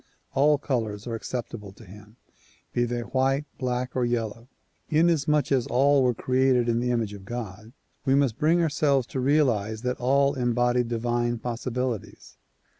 All colors are acceptable to him, be they white, black or yellow. Inasmuch as all were created in the image of God we must bring ourselves to realize that all embody divine possibilities.